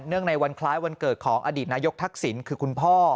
ในวันคล้ายวันเกิดของอดีตนายกทักษิณคือคุณพ่อ